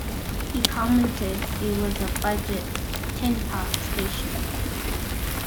He commented It was a budget, tin-pot station.